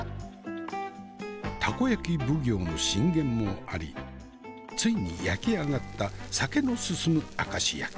たこ焼き奉行の進言もありついに焼き上がった酒の進む明石焼き。